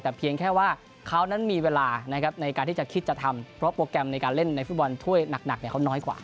แต่เพียงแค่ว่าเขานั้นมีเวลานะครับในการที่จะคิดจะทำเพราะโปรแกรมในการเล่นในฟุตบอลถ้วยหนักเขาน้อยกว่า